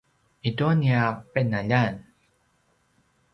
i tua nia qinaljan